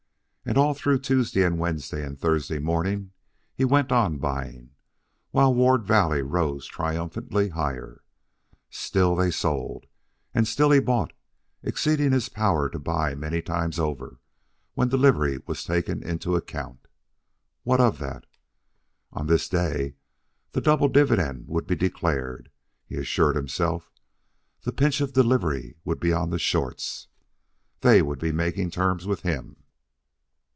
And all through Tuesday and Wednesday, and Thursday morning, he went on buying, while Ward Valley rose triumphantly higher. Still they sold, and still he bought, exceeding his power to buy many times over, when delivery was taken into account. What of that? On this day the double dividend would be declared, he assured himself. The pinch of delivery would be on the shorts. They would be making terms with him.